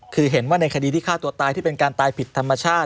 คือเห็นว่าในคดีที่ฆ่าตัวตายที่เป็นการตายผิดธรรมชาติ